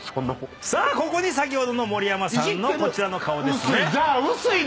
さあここに先ほどの盛山さんのこちらの顔ですね。